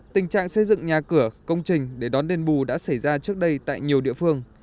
tình trạng xây dựng nhà cửa công trình để đón đền bù đã xảy ra trước đây tại nhiều địa phương